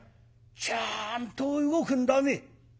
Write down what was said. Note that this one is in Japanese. ちゃんと動くんだね。